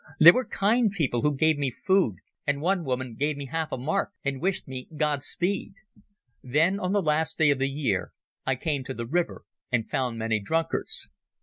There were kind people who gave me food, and one woman gave me half a mark, and wished me God speed ... Then on the last day of the year I came to the river and found many drunkards."